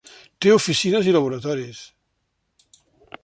Té oficines i laboratoris.